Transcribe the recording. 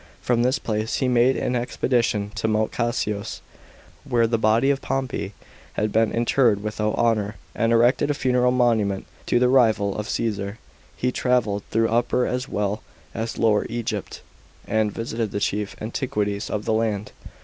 From this place he made an expedition to Mount Kasios, where the body of Pompey had been interred without honour, and erected a funeral monument to the rival of Caesar. He travelled through Upper as well as Lower Egypt, and visited the chief antiquities of the land.